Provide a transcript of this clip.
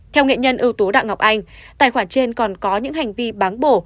theo nghệ nhân ưu tú đặng ngọc anh tài khoản trên còn có những hành vi báng bổ